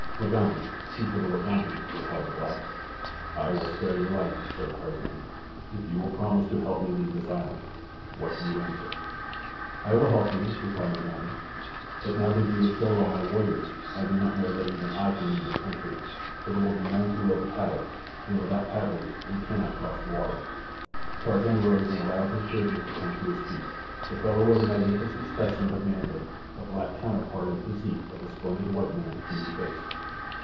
"Mugambi, chief of the Wagambi," replied the black. "I will spare your life," said Tarzan, "if you will promise to help me to leave this island. What do you answer?" "I will help you," replied Mugambi. "But now that you have killed all my warriors, I do not know that even I can leave your country, for there will be none to wield the paddles, and without paddlers we cannot cross the water." Tarzan rose and allowed his prisoner to come to his feet. The fellow was a magnificent specimen of manhood—a black counterpart in physique of the splendid white man whom he faced.